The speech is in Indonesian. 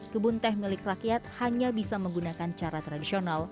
kebun teh milik rakyat hanya bisa menggunakan cara tradisional